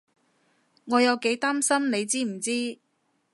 我有幾擔心你知唔知？